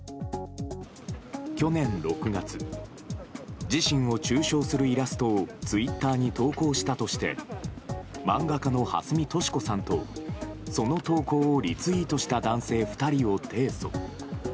去年６月自身を中傷するイラストをツイッターに投稿したとして漫画家のはすみとしこさんとその投稿をリツイートした男性２人を提訴。